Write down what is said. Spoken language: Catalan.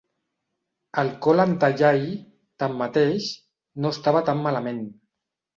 El Ko Lanta Yai, tanmateix, no estava tan malament.